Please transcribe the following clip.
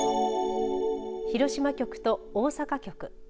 広島局と大阪局。